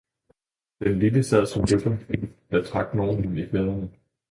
Den lille sad som rytter, da trak nogen ham i klæderne.